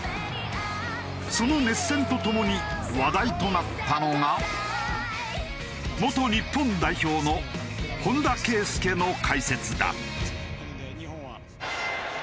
その熱戦とともに話題となったのが元日本代表の本田圭佑の解説だ。